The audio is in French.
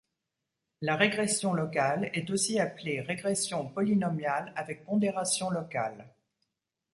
La régression locale est aussi appelée régression polynomiale avec pondération locale.